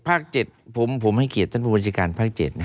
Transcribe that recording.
ภาค๗ผมให้เกียรติท่านผู้บัญชาการภาค๗